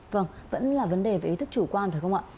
vâng vẫn là vấn đề về ý thức chủ quan phải không ạ